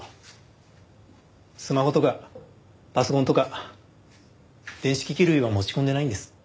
スマホとかパソコンとか電子機器類は持ち込んでないんです。